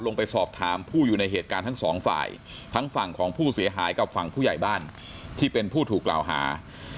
ลงไปสอบถามผู้อยู่ในเหตุการณ์ทั้งสองฝ่ายทั้งฝั่งของผู้เสียหายกับฝั่งผู้ใหญ่บ้านที่เป็นผู้ถูกกล่าวหา